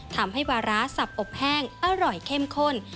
ทำให้วาร้าสับอบแห้งอร่อยเข้มข้น